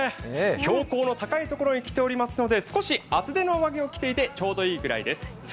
標高の高いところに来ていますので少し厚手の上着を着ていてちょうどいいくらいです。